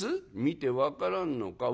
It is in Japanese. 「見て分からんのか？」。